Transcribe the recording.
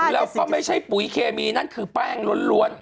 แล้วก็ไม่ใช่ปุ๋ยเคมีนั่นคือแป้งล้วน